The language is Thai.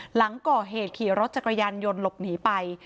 หลังก่อเหตุขี่รถจักรยานยนต์หลบหนีไป